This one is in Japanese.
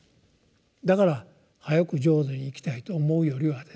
だから早く浄土に行きたいと思うよりはですね